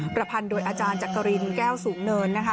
ประพันธ์โดยอาจารย์จักรินแก้วสูงเนินนะคะ